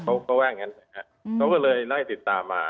เขาก็ว่างั้นนะฮะเขาก็เลยไล่ติดตามมา